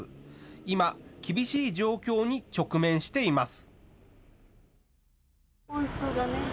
今、厳しい状況に直面しています。